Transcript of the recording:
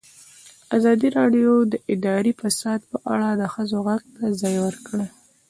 ازادي راډیو د اداري فساد په اړه د ښځو غږ ته ځای ورکړی.